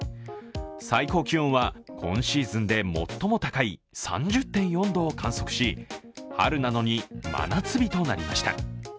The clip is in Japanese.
最高気温は今シーズンで最も高い３０．４度を観測し春なのに真夏日となりました。